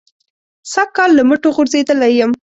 سږ کال له مټو غورځېدلی یم.